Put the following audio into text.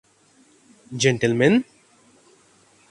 Gentlemen!